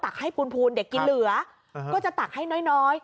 ให้พูนเด็กกินเหลือก็จะตักให้น้อย